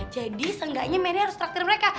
jadi seenggaknya meli harus traktir mereka